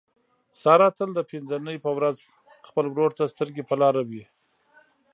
ساره تل د پینځه نۍ په ورخ خپل ورور ته سترګې په لاره وي.